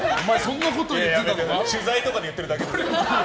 取材とかで言ってるだけです。